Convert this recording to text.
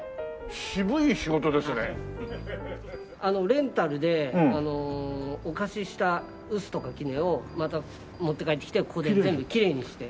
レンタルでお貸しした臼とか杵をまた持って帰ってきてここで全部きれいにして。